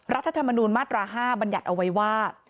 รัฐธรรมนูญมาตรา๕บัญญัติเอาไว้ว่า